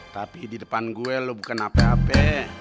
tapi di depan gue lo bukan apa apa